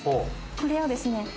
これをですね